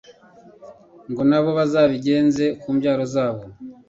ngo na bo bazabigeze ku mbyaro zabo